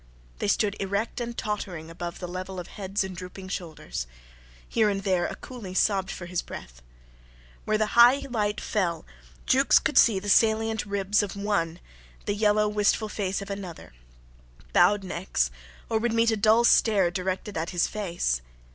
They stood erect and tottering above the level of heads and drooping shoulders. Here and there a coolie sobbed for his breath. Where the high light fell, Jukes could see the salient ribs of one, the yellow, wistful face of another; bowed necks; or would meet a dull stare directed at his face.